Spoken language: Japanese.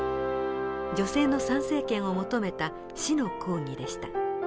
女性の参政権を求めた死の抗議でした。